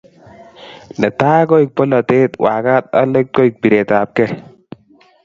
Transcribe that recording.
Netai koek bolatet, wakat ak let koek biretapkei